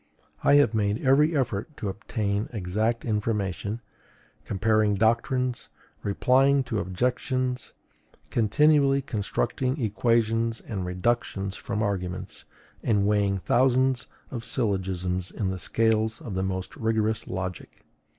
I have made every effort to obtain exact information, comparing doctrines, replying to objections, continually constructing equations and reductions from arguments, and weighing thousands of syllogisms in the scales of the most rigorous logic.